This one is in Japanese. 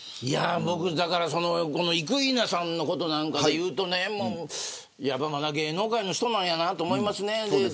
僕は生稲さんのことなんかで言うとやっぱり芸能界の人なんやなと思いますね。